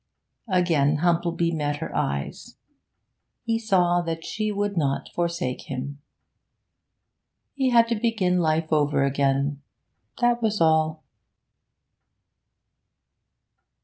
Again Humplebee met her eyes. He saw that she would not forsake him. He had to begin life over again that was all.